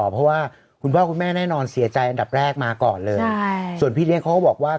เพราะว่าคุณพ่อคุณแม่แน่นอนเสียใจอันดับแรกมาก่อนเลยส่วนพี่เลี้ยเขาก็บอกว่า